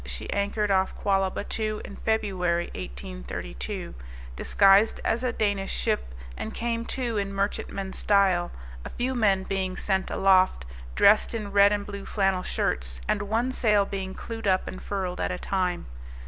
She anchored off Quallah Battoo in February 1832, disguised as a Danish ship, and came to in merchantman style, a few men being sent aloft, dressed in red and blue flannel shirts, and one sail being clewed up and furled at a time.